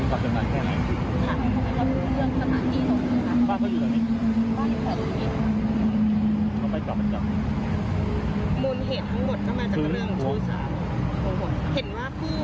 เห็นว่าผู้กรอกเหตุมีครอบครัวอยู่แล้ว